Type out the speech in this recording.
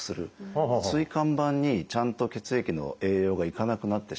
椎間板にちゃんと血液に栄養が行かなくなってしまう。